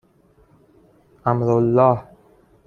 امرالله